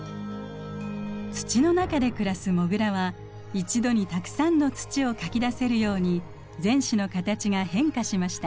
土の中で暮らすモグラは一度にたくさんの土をかき出せるように前肢の形が変化しました。